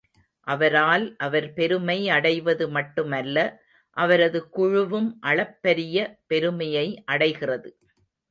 அவரால் அவர் பெருமை அடைவது மட்டுமல்ல, அவரது குழுவும் அளப்பரிய பெருமையை அடைகிறது.